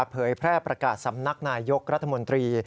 เผยแพร่ประกาศสำนักนายยกรัฐมนตรี